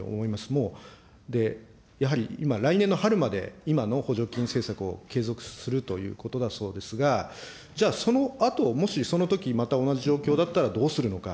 もうで、やはり、来年の春まで今の補助金政策を継続するということだそうですが、じゃあ、そのあと、もしそのときまた同じ状況だったらどうするのか。